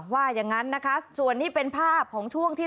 ว่ายังงั้นส่วนนี้เป็นภาพของช่วงที่